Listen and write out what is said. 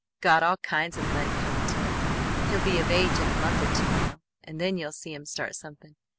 Got all kinds of money coming to him. He'll be of age in a month or two now, and then you'll see him start something!